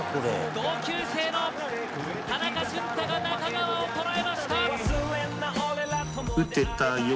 同級生の田中俊太が中川を捉えました！